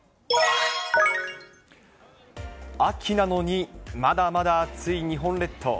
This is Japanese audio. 秋なのに、まだまだ暑い日本列島。